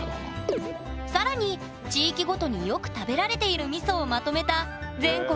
更に地域ごとによく食べられているみそをまとめた全国